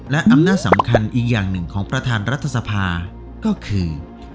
และอำนาจสำคัญอีกอย่างหนึ่งของประธานรัฐสภาก็คือ